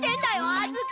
あずき！